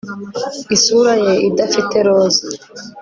isura ye idafite roza